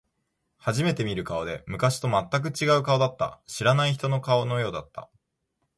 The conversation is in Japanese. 初めて見る顔で、昔と全く違う顔だった。知らない人の顔のようだった。